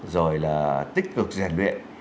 rồi là tích cực rèn luyện